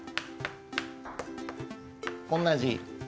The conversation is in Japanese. こんな字。